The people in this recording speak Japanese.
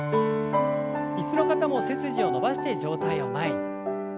椅子の方も背筋を伸ばして上体を前に。